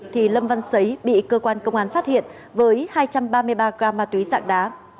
thì lâm văn xấy bị cơ quan công an phát hiện với hai trăm ba mươi ba gam ma túy dạng đá